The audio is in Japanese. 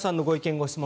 ・ご質問